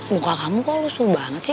luka kamu kok lusuh banget sih